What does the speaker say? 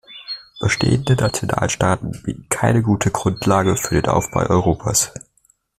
Bestehende Nationalstaaten bieten keine gute Grundlage für den Aufbau Europas.